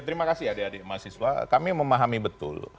terima kasih adik adik mahasiswa kami memahami betul